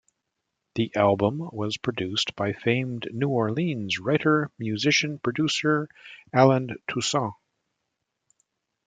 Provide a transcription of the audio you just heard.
The album was produced by famed New Orleans writer-musician-producer Allen Toussaint.